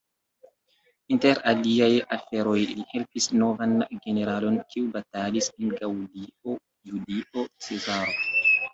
Inter aliaj aferoj, li helpis novan generalon, kiu batalis en Gaŭlio: Julio Cezaro.